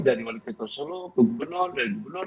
dari wpt solo ke gubernur